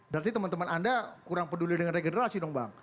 berarti teman teman anda kurang peduli dengan regenerasi dong bang